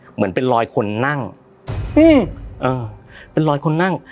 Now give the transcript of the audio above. เหมือนเป็นรอยคนนั่งอืมเออเป็นรอยคนนั่ง